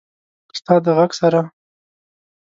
ستا د ږغ سره…